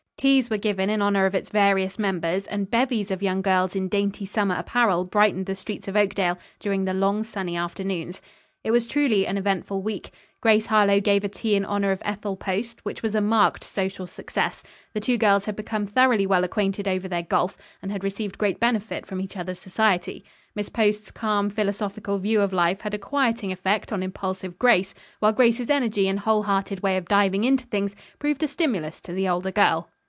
Teas were given in honor of its various members, and bevies of young girls in dainty summer apparel brightened the streets of Oakdale, during the long sunny afternoons. It was truly an eventful week. Grace Harlowe gave a tea in honor of Ethel Post, which was a marked social success. The two girls had become thoroughly well acquainted over their golf and had received great benefit from each other's society. Miss Post's calm philosophical view of life had a quieting effect on impulsive Grace, while Grace's energy and whole hearted way of diving into things proved a stimulus to the older girl.